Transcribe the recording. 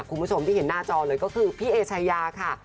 คุณผู้ชมที่เห็นหน้าจอเลยก็คือพี่เอชายาค่ะ